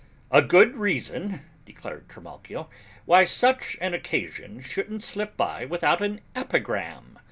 "A good reason," declared Trimalchio, "why such an occasion shouldn't slip by without an epigram."